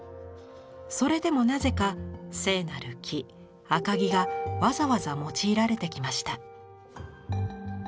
それでもなぜか聖なる木赤木がわざわざ用いられてきました。